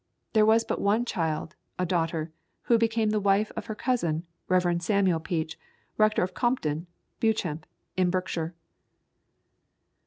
There was but one child, a daughter, who became the wife of her cousin, Rev. Samuel Peach, rector of Compton, Beauchamp, in Berkshire.